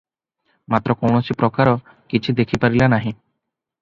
ମାତ୍ର କୌଣସି ପ୍ରକାର କିଛି ଦେଖିପାରିଲା ନାହିଁ ।